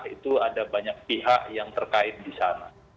itu ada banyak pihak yang terkait di sana